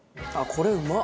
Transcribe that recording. これうまっ！